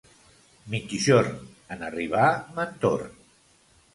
Migjorn! En arribar me'n torn.